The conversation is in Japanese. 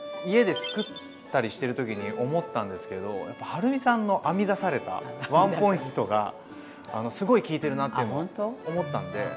家で作ったりしてる時に思ったんですけどやっぱはるみさんの編み出されたワンポイントがすごい効いてるなっていうのを思ったんで。